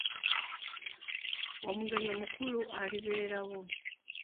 Omugenyi omukulu alibeerawo.